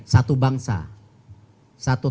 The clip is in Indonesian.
satu bangsa satu